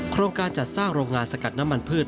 โครงการจัดสร้างโรงงานสกัดน้ำมันพืช